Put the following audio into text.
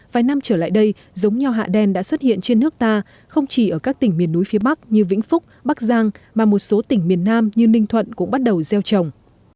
vài năm trở lại đây giống nho hạ đen đã xuất hiện trên nước ta không chỉ ở các tỉnh miền núi phía bắc như vĩnh phúc bắc giang mà một số tỉnh miền nam như ninh thuận cũng bắt đầu gieo trồng